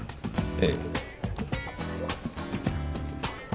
ええ。